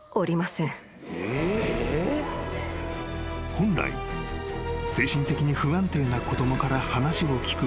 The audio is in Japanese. ［本来精神的に不安定な子供から話を聞く場合］